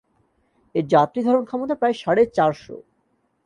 এর যাত্রী ধারণক্ষমতা প্রায় সাড়ে চার শ।